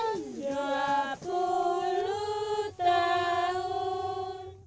pembah atb tidak bermanfaat